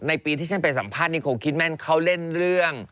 ปีที่ฉันไปสัมภาษณิโคคิดแม่นเขาเล่นเรื่อง